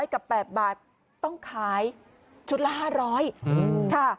๑๐๐กับ๘บาทต้องขายชุดละ๕๐๐